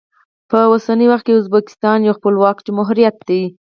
په اوسني وخت کې ازبکستان یو خپلواک جمهوریت دی.